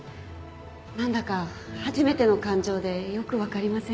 何だか初めての感情でよく分かりません。